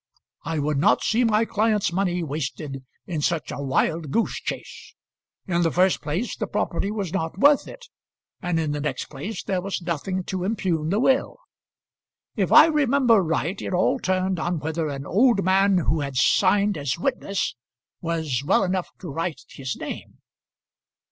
I would not see my client's money wasted in such a wild goose chase. In the first place the property was not worth it; and in the next place there was nothing to impugn the will. If I remember right it all turned on whether an old man who had signed as witness was well enough to write his name."